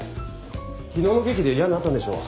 昨日の劇で嫌になったんでしょう。